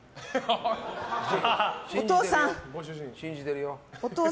お父さん！